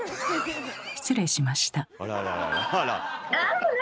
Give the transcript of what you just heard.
失礼しました。